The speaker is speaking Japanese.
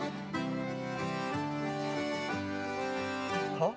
はっ？